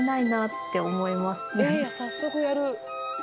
早速やる！